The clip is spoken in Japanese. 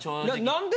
何で？